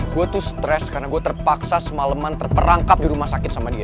gue tuh stres karena gue terpaksa semaleman terperangkap di rumah sakit sama dia